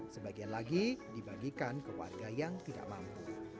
sebagian lagi dibagikan ke warga yang tidak mampu